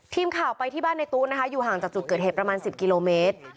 ทีมข่าวไปที่บ้านในตู้นะคะอยู่ห่างจากจุดเกิดเหตุประมาณ๑๐กิโลเมตร